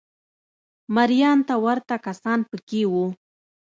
مریانو ته ورته کسان په کې وو